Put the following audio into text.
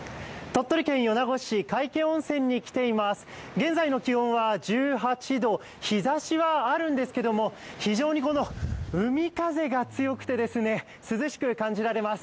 現在の気温は１８度、日ざしはあるんですけども、非常に海風が強くて涼しく感じられます。